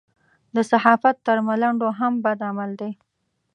د صحافت تر ملنډو هم بد عمل دی.